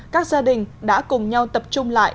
các gia đình đã cùng nhau tập trung lại